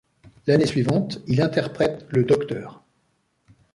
L'année suivante, il interprète le Dr.